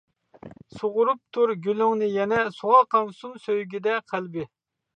سۇغۇرۇپ تۇر گۈلۈڭنى يەنە، سۇغا قانسۇن سۆيگۈدە قەلبى.